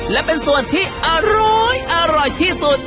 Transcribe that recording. และเป็นส่วนที่อร้อยอร่อยที่สุด